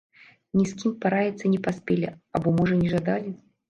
Ні з кім параіцца не паспелі, або можа не жадалі.